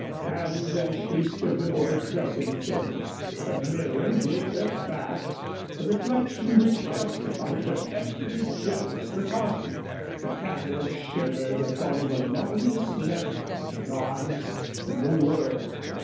And as she stood before her dressing table, her mirror gave her back a reflection which justified her every jealous precaution. The candles shimmered upon the loveliest neck and arms in the world.